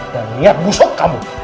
dan niat musuh kamu